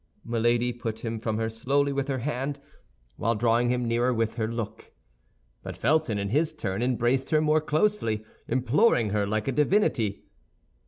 Milady put him from her slowly with her hand, while drawing him nearer with her look; but Felton, in his turn, embraced her more closely, imploring her like a divinity.